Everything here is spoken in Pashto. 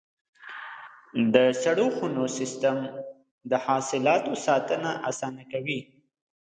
د سړو خونو سیستم د حاصلاتو ساتنه اسانه کوي.